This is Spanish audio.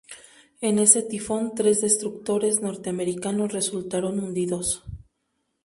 En ese tifón tres destructores norteamericanos resultaron hundidos.